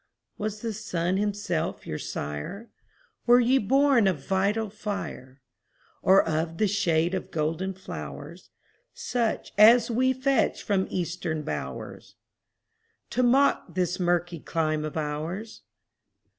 Was the sun himself your sire? Were ye born of vital fire? Or of the shade of golden flowers, Such as we fetch from Eastern bowers, To mock this murky clime of ours?